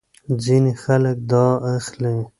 ځینې خلک دا اخلي.